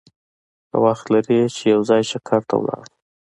که وخت لرې چې یو ځای چکر ته لاړ شو!